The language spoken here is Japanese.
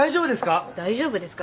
大丈夫ですか？